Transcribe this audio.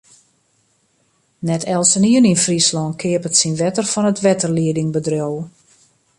Net eltsenien yn Fryslân keapet syn wetter fan it wetterliedingbedriuw.